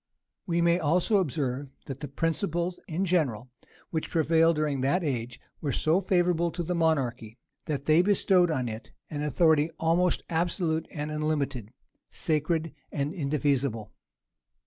We may also observe, that the principles in general which prevailed during that age, were so favorable to monarchy, that they bestowed on it an authority almost absolute and unlimited, sacred and indefeasible.